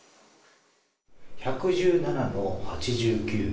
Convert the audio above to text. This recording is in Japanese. １１７の８９。